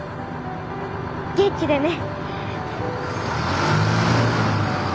元気でね。